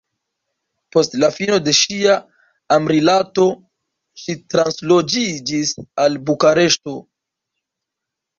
Post la fino de ŝia amrilato, ŝi transloĝiĝis al Bukareŝto.